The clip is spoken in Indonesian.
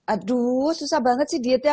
aduh susah banget sih dietnya